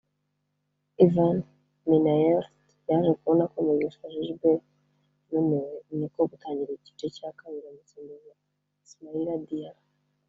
Ivan Minaert yaje kubona ko Mugisha Gilbert yananiwe ni ko gutangira igice cya kabiri amusimbuza Ismaila Diarra